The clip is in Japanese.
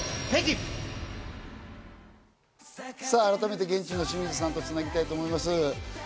改めて現地の清水さんとつなぎたいと思います。